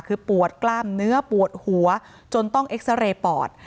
คือปวดกล้ามเนื้อปวดหัวจนต้องเอ็กซาเรย์ปอด